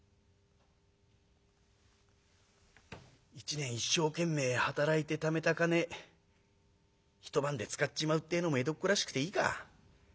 「一年一生懸命働いてためた金一晩で使っちまうってえのも江戸っ子らしくていいか。なあ。